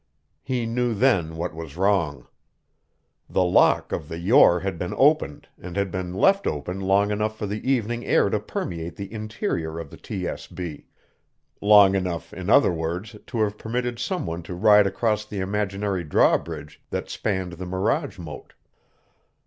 He knew then what was wrong. The lock of the Yore had been opened and had been left open long enough for the evening air to permeate the interior of the TSB; long enough, in other words, to have permitted someone to ride across the imaginary drawbridge that spanned the mirage moat.